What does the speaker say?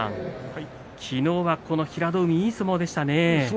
昨日は平戸海、いい相撲でしたね。